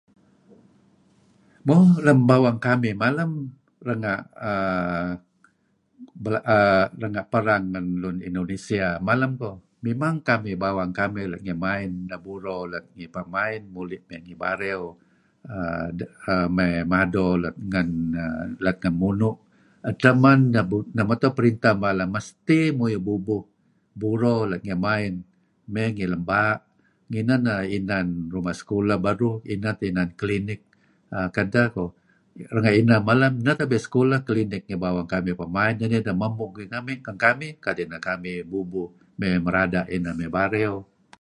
Lem bawang kamih malem renga' uhm perang ngen Lun Indonesia malem koh mimang kamih bawang kamih lat ngi Main, buro lat ngi Pa' Main muli' may ngi Bario. uhm may mado lat ngen munu'. Eteh man neh meto Printeh msti muyuh bubuh buro lat ngi Main may ngi LemBaa' ngineh neh inan ruma' sekolah beruh inan teh klinik kedh koh. Renga' ineh malem neh inan sekolah may klinik Pa' Main kadi' nidah mamug iidih ngen kamih kadi' neh kamih bubuh may merada' ineh may Bario.